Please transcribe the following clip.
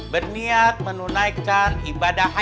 berniat menunaikan ibadahnya